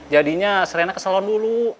jadinya serena ke salon dulu